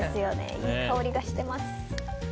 いい香りがしてます。